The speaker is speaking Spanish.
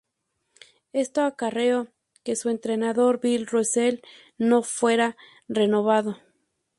Esto acarreó que su entrenador, Bill Russell no fuera renovado.